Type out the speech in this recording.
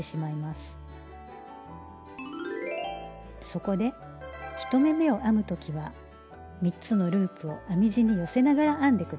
そこで１目めを編む時は３つのループを編み地に寄せながら編んで下さい。